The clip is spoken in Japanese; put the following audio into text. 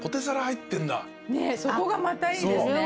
そこがまたいいですね。